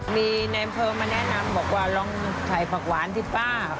มีในอำเภอมาแนะนำบอกว่าลองใส่ผักหวานที่ป้า